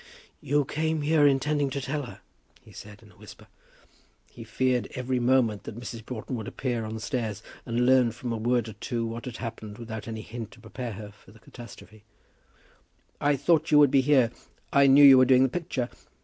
"You came here intending to tell her," he said, in a whisper. He feared every moment that Mrs. Broughton would appear on the stairs, and learn from a word or two what had happened without any hint to prepare her for the catastrophe. "I thought you would be here. I knew you were doing the picture.